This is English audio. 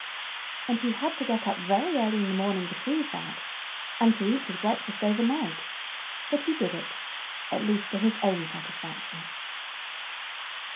And he had to get up very early in the morning to prove that, and to eat his breakfast overnight; but he did it, at least to his own satisfaction.